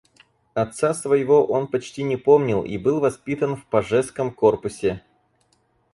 Отца своего он почти не помнил и был воспитан в Пажеском Корпусе.